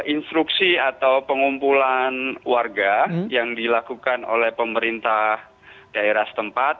instruksi atau pengumpulan warga yang dilakukan oleh pemerintah daerah setempat